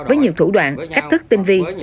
với nhiều thủ đoạn cách thức tinh vi